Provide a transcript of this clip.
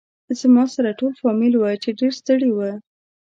زما سره ټول فامیل و چې ډېر ستړي و.